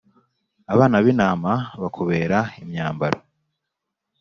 abana b’intama bakubera imyambaro